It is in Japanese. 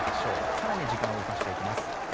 更に時間を動かしていきます。